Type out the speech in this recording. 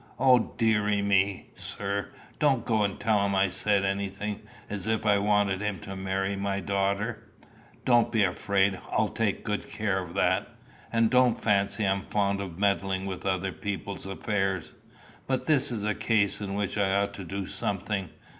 "O deary me! sir, don't go and tell him I said anything, as if I wanted him to marry my daughter." "Don't you be afraid. I'll take good care of that. And don't fancy I'm fond of meddling with other people's affairs. But this is a case in which I ought to do something.